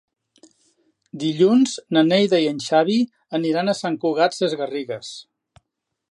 Dilluns na Neida i en Xavi aniran a Sant Cugat Sesgarrigues.